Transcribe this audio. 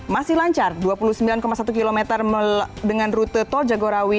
masih lancar dua puluh sembilan satu km dengan rute tol jagorawi